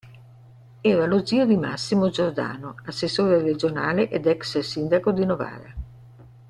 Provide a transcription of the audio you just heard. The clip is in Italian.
Era lo zio di Massimo Giordano, assessore regionale ed ex sindaco di Novara.